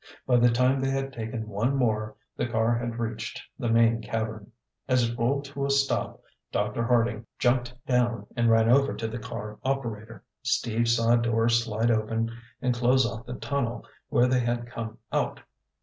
By the time they had taken one more, the car had reached the main cavern. As it rolled to a stop, Dr. Harding jumped down and ran over to the car operator. Steve saw a door slide down and close off the tunnel where they had come out.